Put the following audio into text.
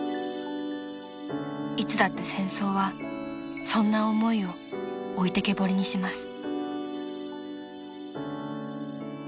［いつだって戦争はそんな思いを置いてけぼりにします］